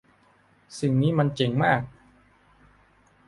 สิ่งนี้มันเจ๋งมาก !